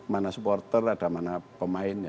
mana supporter ada mana pemainnya